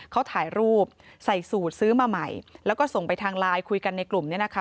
เขาถ่ายรูปใส่สูตรซื้อมาใหม่แล้วก็ส่งไปทางไลน์คุยกันในกลุ่มเนี่ยนะคะ